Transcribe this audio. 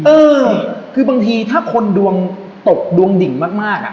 อเจมส์เอรึไม่ดีอนั่งคือบางทีถ้าคนดวงโดกดวงดิ่งมาก